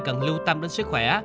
cần lưu tâm đến sức khỏe